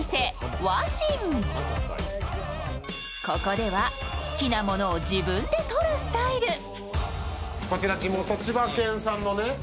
ここでは好きなものを自分で取るスタイル。